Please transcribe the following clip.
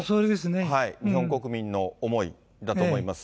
日本国民の思いだと思います。